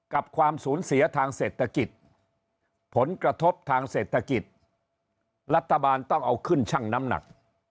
ความสูญเสียทางเศรษฐกิจผลกระทบทางเศรษฐกิจรัฐบาลต้องเอาขึ้นชั่งน้ำหนัก